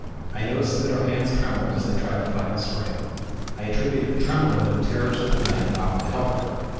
I noticed that her hands trembled as they tried to find the spring. I attributed the trembling to the terrors of the night, and offered to help her.